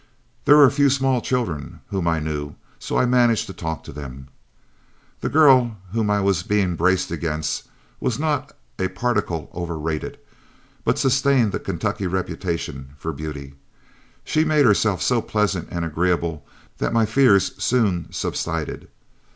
There were a few small children whom I knew, so I managed to talk to them. The girl whom I was being braced against was not a particle overrated, but sustained the Kentucky reputation for beauty. She made herself so pleasant and agreeable that my fears soon subsided.